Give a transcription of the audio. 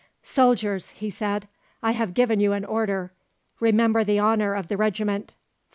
"Soldiers," he said, "I have given you an order; remember the honour of the regiment.